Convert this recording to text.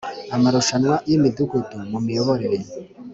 amarushanwa y Imidugudu mu Miyoborere